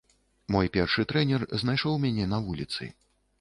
Мой першы трэнер знайшоў мяне на вуліцы.